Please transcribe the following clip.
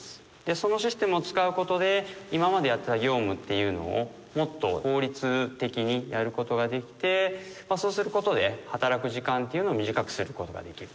そのシステムを使うことで今までやっていた業務っていうのをもっと効率的にやることができてそうすることで働く時間っていうのを短くすることができる。